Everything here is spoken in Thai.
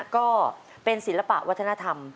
ก็เป็นศิลปะวัฒนธรรม